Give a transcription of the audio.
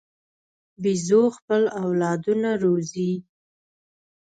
بیزو خپل اولادونه روزي.